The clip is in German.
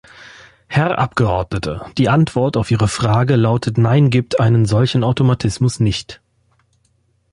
Herr Abgeordneter, die Antwort auf Ihre Frage lautet neingibt einen solchen Automatismus nicht.